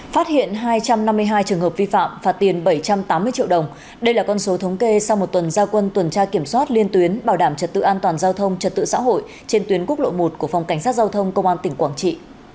phát hiện hai trăm năm mươi hai trường hợp vi phạm phạt tiền bảy trăm tám mươi triệu đồng đây là con số thống kê sau một tuần giao quân tuần tra kiểm soát liên tuyến bảo đảm trật tự an toàn giao thông trật tự xã hội trên tuyến quốc lộ một của phòng cảnh sát giao thông công an tỉnh quảng trị